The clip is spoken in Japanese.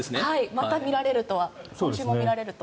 まさか今週も見られるとは。